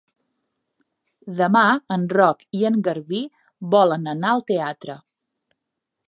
Demà en Roc i en Garbí volen anar al teatre.